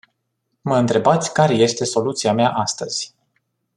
Mă întrebați care este soluția mea astăzi.